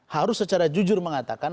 harus secara jujur mengatakan